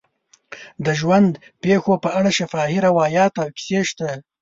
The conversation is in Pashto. د ژوند پېښو په اړه شفاهي روایات او کیسې شته.